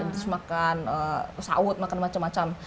terus makan sahut makan macam macam